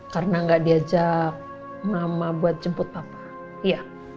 karena gak diajak mama buat jemput papa iya